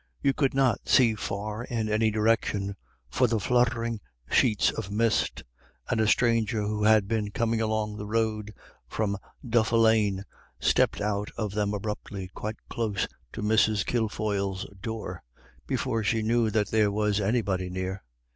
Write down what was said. You could not see far in any direction for the fluttering sheets of mist, and a stranger who had been coming along the road from Duffelane stepped out of them abruptly quite close to Mrs. Kilfoyle's door, before she knew that there was anybody near.